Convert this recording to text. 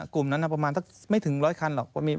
กลุ่มนั้นประมาณสักไม่ถึง๑๐๐คันหรอก